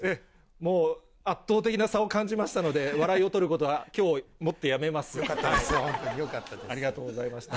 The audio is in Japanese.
もう圧倒的な差を感じましたので、笑いを取ることは、きょうよかったです、本当によかっありがとうございました。